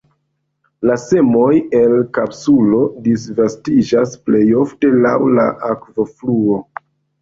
La semoj, el kapsulo, disvastiĝas plejofte laŭ la akvofluo.